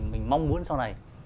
mình mong muốn sau này